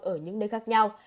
ở những nơi khác nhau